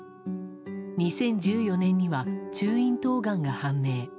２０１４年には中咽頭がんが判明。